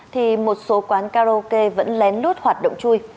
thì một số quán karaoke vẫn lén lút hoạt động chui